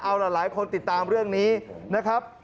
เอาหลายคนติดตามเรื่องนี้นะครับ